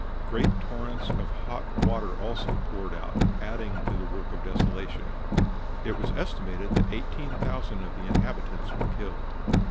Great torrents of hot water also poured out, adding to the work of desolation. It was estimated that eighteen thousand of the inhabitants were killed.